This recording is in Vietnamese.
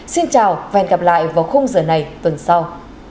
xin chào và hẹn gặp lại vào khung giờ này tuần sau